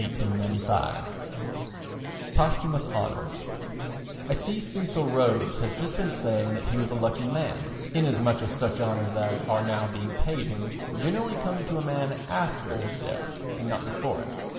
] Posthumous Honours I see Cecil Rhodes has just been saying that he was a lucky man, inasmuch as such honours as are now being paid him generally come to a man after his death and not before it.